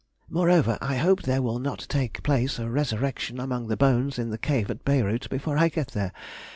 Moreover, I hope there will not take place a resurrection among the bones in the cave at Bayreuth before I get there.